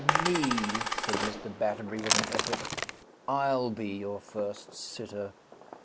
"Me," said Mr. Batterbury, with an effort. "I'll be your first sitter.